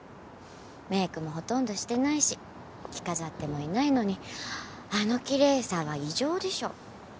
メークもほとんどしてないし着飾ってもいないのにあの奇麗さは異常でしょ。